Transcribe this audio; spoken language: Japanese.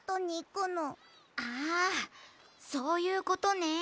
あそういうことね。